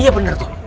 iya bener tuh